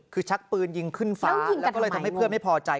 คือชักปืนยิงขึ้นฟ้าแล้วก็เลยทำให้เพื่อนไม่พอใจ